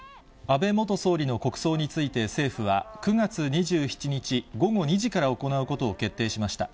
安倍元総理の国葬について、政府は、９月２７日午後２時から行うことを決定しました。